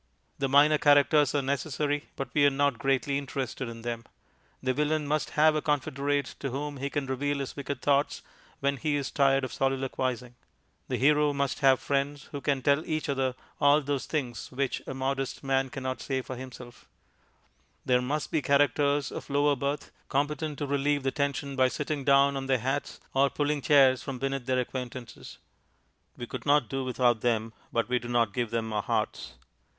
The minor characters are necessary, but we are not greatly interested in them. The Villain must have a confederate to whom he can reveal his wicked thoughts when he is tired of soliloquizing; the Hero must have friends who can tell each other all those things which a modest man cannot say for himself; there must be characters of lower birth, competent to relieve the tension by sitting down on their hats or pulling chairs from beneath their acquaintances. We could not do without them, but we do not give them our hearts.